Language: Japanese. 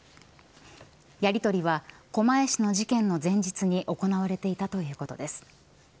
やり取りは狛江市の事件の前日に行われていたということです。